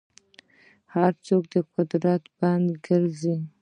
هر څوک د قدرت بنده ګرځي.